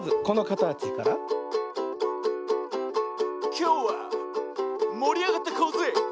「きょうはもりあがっていこうぜ！」